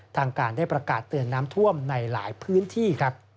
ทางการได้ประกาศเตือนน้ำท่วมในหลายพื้นที่ครับ